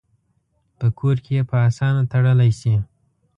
په کور کې یې په آسانه تړلی شي.